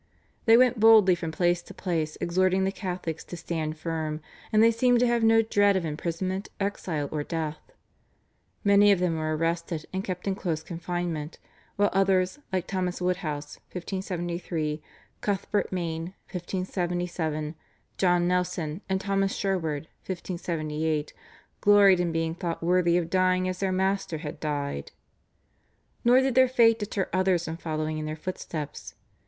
They went boldly from place to place exhorting the Catholics to stand firm, and they seemed to have no dread of imprisonment, exile or death. Many of them were arrested and kept in close confinement, while others, like Thomas Woodhouse (1573), Cuthbert Mayne (1577), John Nelson, and Thomas Sherwood (1578), gloried in being thought worthy of dying as their Master had died. Nor did their fate deter others from following in their footsteps.